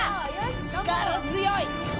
力強い。